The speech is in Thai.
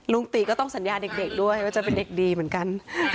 ตีก็ต้องสัญญาเด็กด้วยว่าจะเป็นเด็กดีเหมือนกัน